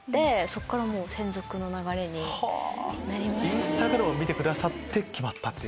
インスタグラムを見てくださって決まった。